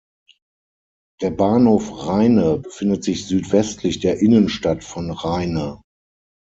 Der Bahnhof Rheine befindet sich südwestlich der Innenstadt von Rheine.